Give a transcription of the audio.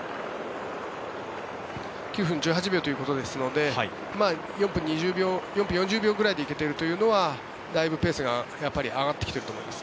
９分１８秒ということですので４分４０秒ぐらいで行けているというのはだいぶペースが上がってきていると思います。